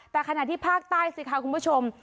แต่ขณะที่ภาคใต้สิค่ะคุณผู้ชม